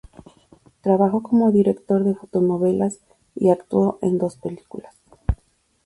Trabajó como director de fotonovelas y actuó en dos películas.